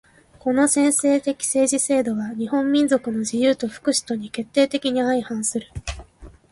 この専制的政治制度は日本民族の自由と福祉とに決定的に相反する。